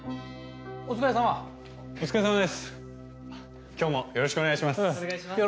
お疲れさまです。